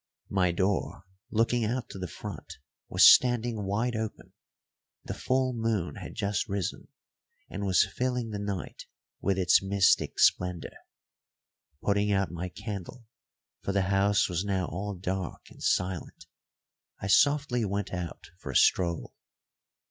My door, looking out to the front, was standing wide open; the full moon had just risen and was filling the night with its mystic splendour. Putting out my candle, for the house was now all dark and silent, I softly went out for a stroll.